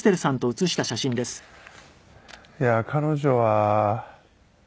いやー彼女は。